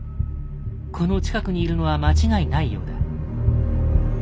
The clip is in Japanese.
この近くにいるのは間違いないようだ。